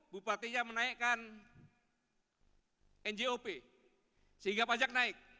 bupatinya menaikkan njop sehingga pajak naik